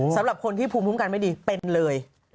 สำหรับคนที่ภูมิคุ้มกันไม่ดีเป็นเลย